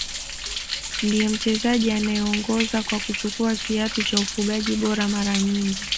Ndiye mchezaji anayeongoza kwa kuchukua kiatu cha ufungaji bora mara nyingi